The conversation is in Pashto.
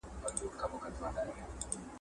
هغه وويل چي قلم ضروري دی؟